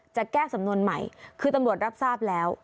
จะแก้สำนวนใหม่คือตำรวจรับทราบแล้ว